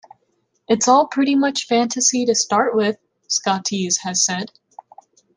"It's all pretty much fantasy to start with", Scotese has said.